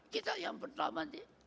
kita yang pertama